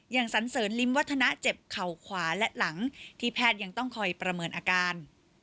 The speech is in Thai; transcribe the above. สันเสริญริมวัฒนะเจ็บเข่าขวาและหลังที่แพทย์ยังต้องคอยประเมินอาการ